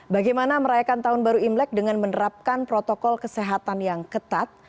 bagaimana merayakan tahun baru imlek dengan menerapkan protokol kesehatan yang ketat